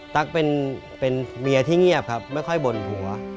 ตั๊กเป็นเมียที่เงียบครับไม่ค่อยบ่นผัว